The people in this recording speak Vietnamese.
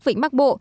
vĩnh bắc bộ